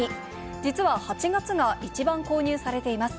実は８月が一番購入されています。